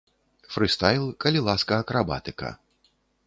Фрыстайл, калі ласка акрабатыка.